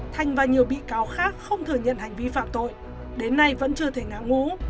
thành và nhiều bị cáo khác không thừa nhận hành vi phạm tội đến nay vẫn chưa thể ngã ngũ